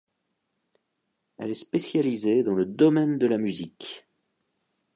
Elle est spécialisée dans le domaine de la musique.